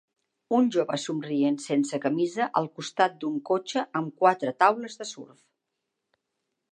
Un jove somrient sense camisa al costat d'un cotxe amb quatre taules de surf.